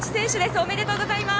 おめでとうございます。